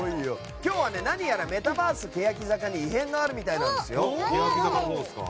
今日は、何やらメタバース・ケヤキ坂に異変があるみたいなんですよ。